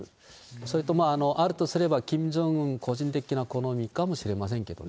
それとあるとすれば、キム・ジョンウン個人的な好みかもしれませんけどね。